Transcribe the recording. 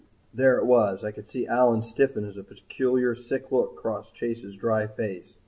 There it was! I could see Allyn stiffen as a peculiar sick look crossed Chase's dry face.